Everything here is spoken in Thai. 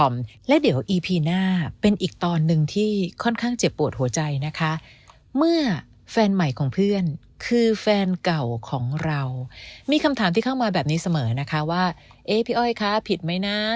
เมื่อแฟนใหม่ของเพื่อนคือแฟนเก่าของเรามีคำถามที่เข้ามาแบบนี้เสมอนะคะว่าเอ๊ะพี่อ้อยคะผิดไหมน่ะ